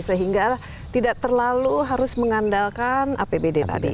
sehingga tidak terlalu harus mengandalkan apbd tadi